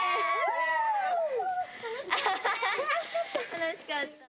楽しかったね。